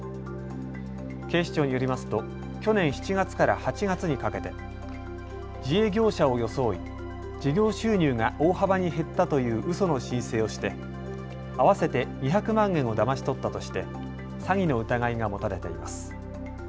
警視庁によりますと去年７月から８月にかけて自営業者を装い事業収入が大幅に減ったといううその申請をして合わせて２００万円をだまし取ったとして詐欺の疑いが持たれています。